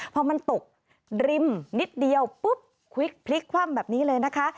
พอมันตกริมนิดเดียวปุ๊บพลิกคว่ำแบบนี้เลยนะคะ